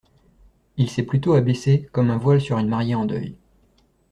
Il s’est plutôt abaissé, comme un voile sur une mariée en deuil.